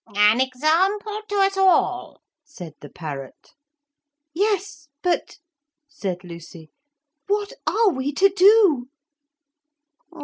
'An example to us all,' said the parrot. 'Yes, but,' said Lucy, 'what are we to do?'